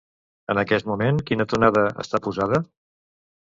En aquest moment quina tonada està posada?